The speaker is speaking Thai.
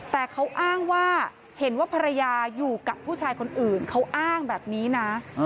แต่เขาอ้างว่าเห็นว่าภรรยาอยู่กับผู้ชายคนอื่นเขาอ้างแบบนี้นะ